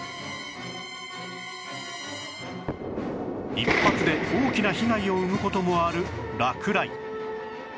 一発で大きな被害を生む事もある落雷